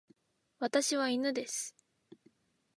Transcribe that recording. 私は犬です。